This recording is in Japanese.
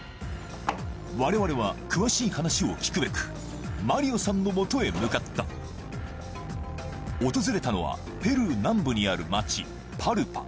我々は詳しい話を聞くべくマリオさんのもとへ向かった訪れたのはペルー南部にある町パルパ